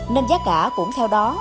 nên giá cả cũng theo đó